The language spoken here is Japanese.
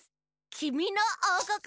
「きみのおうこく」。